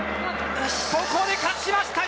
ここで勝ちました。